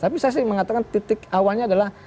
tapi saya sih mengatakan titik awalnya adalah